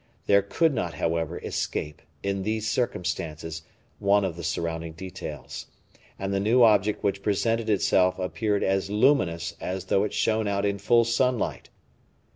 There could not, however, escape, in these circumstances, one of the surrounding details; and the new object which presented itself appeared as luminous as though it shone out in full sunlight.